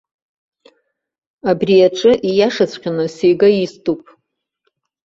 Абри аҿы ииашаҵәҟьаны сегоиступ.